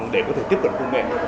để có thể tiếp cận công nghệ